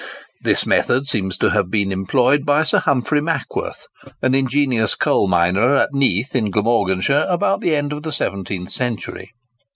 This method seems to have been employed by Sir Humphrey Mackworth, an ingenious coal miner at Neath in Glamorganshire, about the end of the seventeenth century.